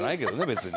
別に。